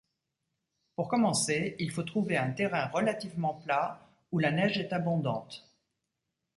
Pour commencer, il faut trouver un terrain relativement plat où la neige est abondante.